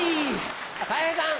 たい平さん。